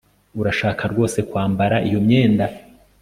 Urashaka rwose kwambara iyo myenda